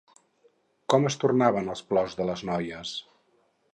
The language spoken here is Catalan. Com es tornaven els plors de les noies?